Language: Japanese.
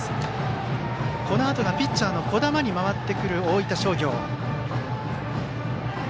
このあとが、ピッチャーの児玉に回ってくる大分商業。